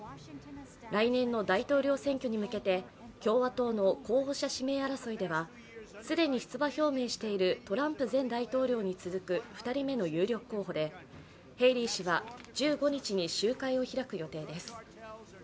来年の大統領選挙に向けて共和党の候補者指名争いでは既に出馬表明しているトランプ前大統領に続く２人目の有力候補でヘイリー氏は１５日に集会を開く予定です。